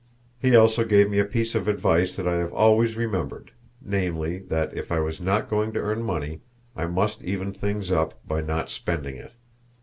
He also gave me a piece of advice that I have always remembered, namely, that, if I was not going to earn money, I must even things up by not spending it.